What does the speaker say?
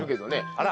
あら。